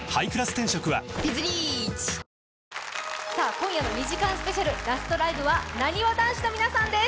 今夜の２時間スペシャル、ラストライブはなにわ男子の皆さんです。